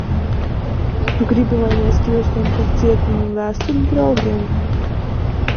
Tu gribi, lai mēs kļūstam par cietuma vēstuļdraugiem?